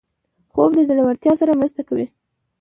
خوب د زړورتیا سره مرسته کوي